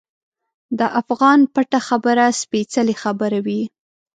د افغان پټه خبره سپیڅلې خبره وي.